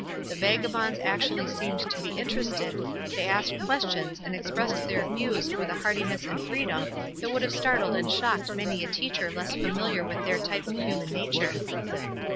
The vagabonds actually seemed to be interested ; they asked questions, and expressed their views with a heartiness and freedom that wculd have startled and shocked many a teacher less familiar with their type of human nature.